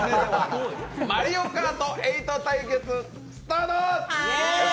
「マリオカート８」対決スタート！